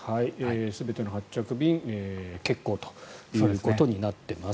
全ての発着便が欠航ということになっています。